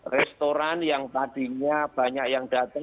restoran yang tadinya banyak yang datang